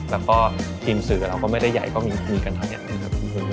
แล้วก็ทีมสื่อเราก็ไม่ได้ใหญ่ก็มีคุยกันเท่านี้นะครับ